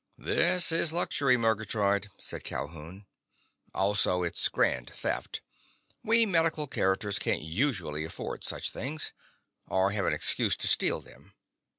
"This is luxury, Murgatroyd," said Calhoun. "Also it's grand theft. We medical characters can't usually afford such things. Or have an excuse to steal them.